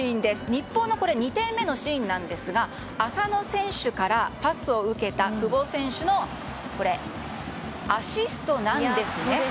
日本の２点目のシーンなんですが浅野選手からパスを受けた久保選手のアシストなんです。